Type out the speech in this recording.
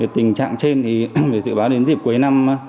tình trạng trên thì dự báo đến dịp cuối năm